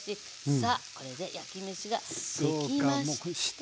さあこれで焼きめしができました。